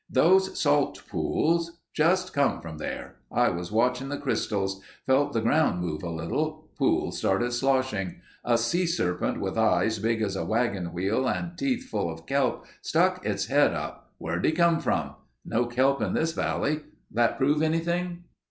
"Those salt pools. Just come from there. I was watching the crystals; felt the ground move a little. Pool started sloshing. A sea serpent with eyes big as a wagon wheel and teeth full of kelp stuck his head up. Where'd he come from? No kelp in this valley. That prove anything?"